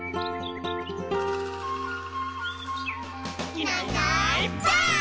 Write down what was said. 「いないいないばあっ！」